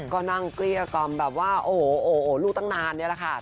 ก็นั่งเกลี้ยกล่อมแบบว่าโอ้โหลูกตั้งนานนี่แหละค่ะ